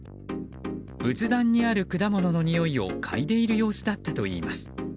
仏壇にある果物のにおいをかいでいる様子だったといいます。